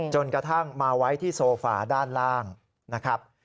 จนกระทั่งมาไว้ที่โซฟาด้านล่างนะครับ